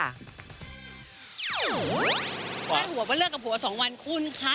ผ้านหัวเป็นเลิกกับส่งหัวสองวันคุณค่ะ